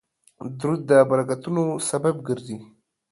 درود د برکتونو سبب ګرځي